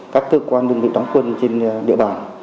các cơ quan đơn vị đóng quân trên địa bàn